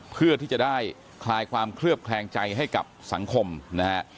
เพื่อที่จะได้คลายความเคลือบแคลงใจให้กับสังคมนะฮะ